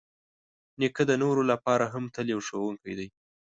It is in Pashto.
نیکه د نورو لپاره هم تل یو ښوونکی دی.